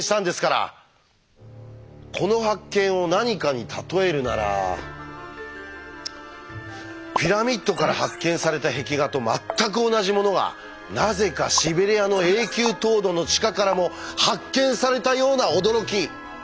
この発見を何かに例えるならピラミッドから発見された壁画と全く同じものがなぜかシベリアの永久凍土の地下からも発見されたような驚き！